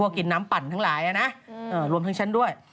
ก็กินน้ำปั่นทั้งหลายนะรวมทั้งฉันด้วย